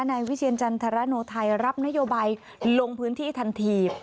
นายวิเชียรจันทรโนไทยรับนโยบายลงพื้นที่ทันที